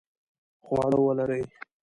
خواړه ولړئ